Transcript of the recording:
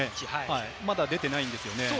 まだ出ていないんですよね。